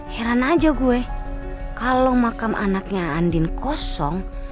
heran aja gue kalau makam anaknya andin kosong